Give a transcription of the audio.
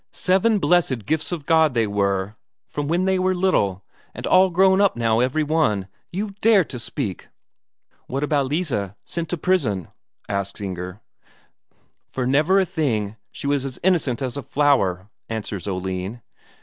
Seven blessed gifts of God they were from they were little, and all grown up now every one. You dare to speak...." "What about Lise, that was sent to prison?" asks Inger. "For never a thing. She was as innocent as a flower," answers Oline.